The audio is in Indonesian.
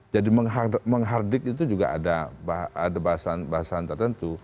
jadi menghardik itu juga ada bahasan tertentu